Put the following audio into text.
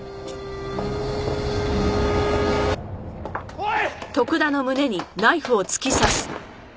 おい！